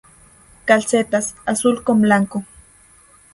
Calcetas:Azul con blanco.